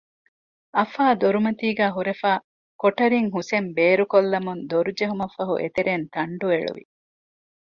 އަފާ ދޮރުމަތީގައި ހުރެފައި ކޮޓަރިން ހުސެން ބޭރުކޮށްލަމުން ދޮރުޖެހުމަށްފަހު އެތެރެއިން ތަންޑު އެޅުވި